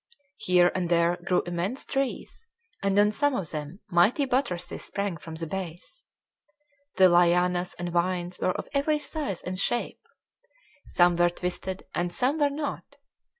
Here and there grew immense trees, and on some of them mighty buttresses sprang from the base. The lianas and vines were of every size and shape. Some were twisted and some were not.